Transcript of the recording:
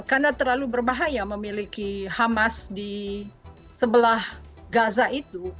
karena terlalu berbahaya memiliki hamas di sebelah gaza itu